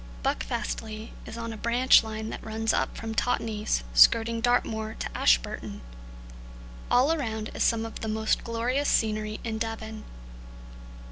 Buckfastleigh is on a branch line that runs up from Totnes, skirting Dartmoor, to Ashburton. All around is some of the most glorious scenery in Devon.